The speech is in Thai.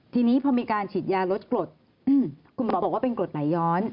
ทีนี้พอมีการฉีดยาลดกรดคุณหมอบอกว่าเป็นกรดหมายย้อน